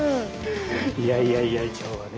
いやいやいや今日はね